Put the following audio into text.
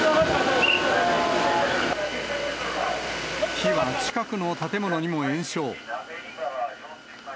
火は近くの建物にも延焼。